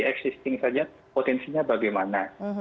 existing saja potensinya bagaimana